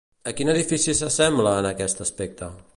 A quin edifici s'assembla, en aquest aspecte?